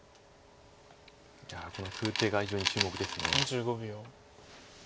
いやこの数手が非常に注目です。